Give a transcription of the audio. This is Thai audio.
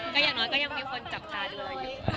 ก็อย่างน้อยก็ยังมีคนจับตาด้วย